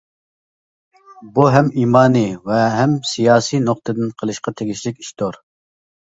بۇ ھەم ئىمانى ۋە ھەم سىياسىي نۇقتىدىن قىلىشقا تېگىشلىك ئىشتۇر.